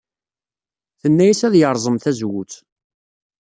Tenna-as ad yerẓem tazewwut.